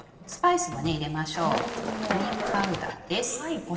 クミンパウダーです。